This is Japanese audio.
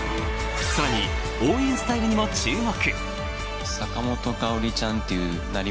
更に、応援スタイルにも注目。